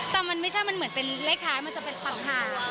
แต่มันไม่ใช่มันเหมือนเป็นเลขท้ายมันจะเป็นต่างหาก